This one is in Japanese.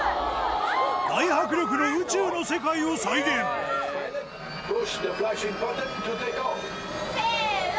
大迫力の宇宙の世界を再現せの！